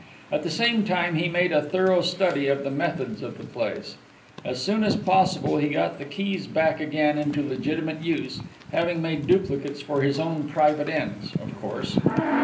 At the same time he made a thorough study of the methods of the place. As soon as possible he got the keys back again into legitimate use, having made duplicates for his own private ends, of course.